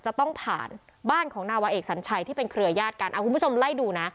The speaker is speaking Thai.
จะต้องผ่านบ้านของนาวาเอกสัญชัยที่เป็นเครือยาศกันคุณผู้ชมไล่ดูนะ